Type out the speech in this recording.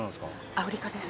アフリカです。